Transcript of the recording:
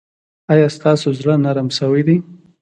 ایا ستاسو زړه نرم شوی دی؟